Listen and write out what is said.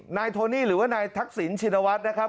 นายโทนี่หรือว่านายทักศีนชีวินวัตรนะครับ